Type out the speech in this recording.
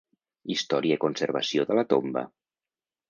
Història i conservació de la tomba.